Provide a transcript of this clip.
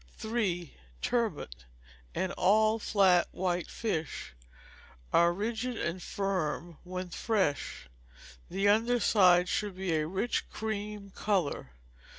3. Turbot, and all flat white fish, are rigid and firm when fresh; the under side should be of a rich cream colour.